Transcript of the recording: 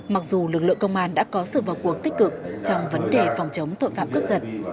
mặc dù lực lượng công an đã có sự vào cuộc tích cực trong vấn đề phòng chống tội phạm cướp giật